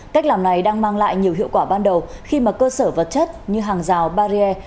cách làm này đang mang lại nhiều hiệu quả ban đầu khi mà cơ sở vật chất như hàng rào barrier